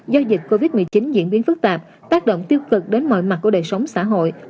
do dịch covid một mươi chín diễn biến phức tạp tác động tiêu cực đến mọi mặt của đời sống xã hội